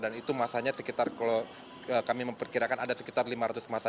dan itu massanya sekitar kalau kami memperkirakan ada sekitar lima ratus massa